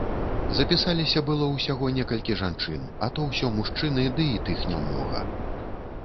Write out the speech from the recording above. Запісаліся было ўсяго некалькі жанчын, а то ўсё мужчыны, ды і тых нямнога.